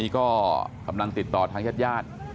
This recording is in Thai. ก็กำลังติดต่อทางญาติญาติ